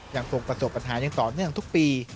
ยังคงประสบปัญหายังต่อเนื่องทุกปี